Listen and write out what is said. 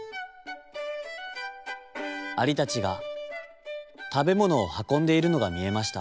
アリたちがたべものをはこんでいるのがみえました。